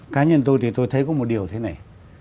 cá nhân tôi thì tôi thấy có một điều thế này